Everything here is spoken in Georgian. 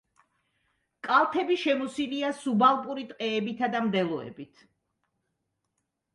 კალთები შემოსილია სუბალპური ტყეებითა და მდელოებით.